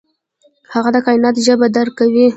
هغه د کائنات ژبه درک کوي.